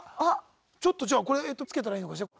ちょっとじゃあこれえとつけたらいいのかしら？